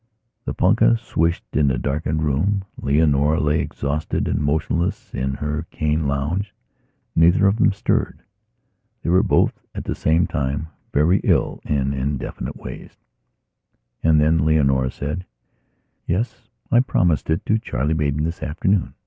The punkah swished in the darkened room; Leonora lay exhausted and motionless in her cane lounge; neither of them stirred. They were both at that time very ill in indefinite ways. And then Leonora said: "Yes. I promised it to Charlie Maidan this afternoon.